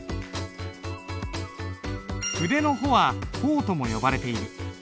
筆の穂は鋒とも呼ばれている。